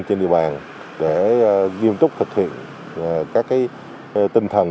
trên địa bàn để nghiêm túc thực hiện các tinh thần